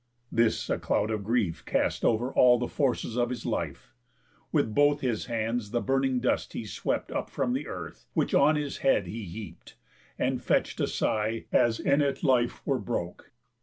This a cloud of grief Cast over all the forces of his life. With both his hands the burning dust he swept Up from the earth, which on his head he heapt, And fetch'd a sigh as in it life were broke.